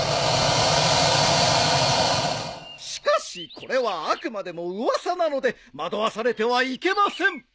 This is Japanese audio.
しかしこれはあくまでも噂なので惑わされてはいけません。